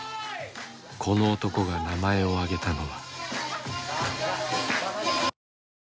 この男が名前を挙げたのは。